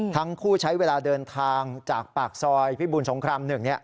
ใช้เวลาเดินทางจากปากซอยพิบูลสงคราม๑